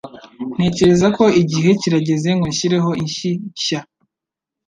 Ntekereza ko igihe kirageze ngo nshyireho inshyi nshya.